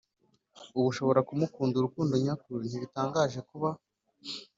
Uba ushobora kumukunda urukundo nyakuri ntibitangaje kuba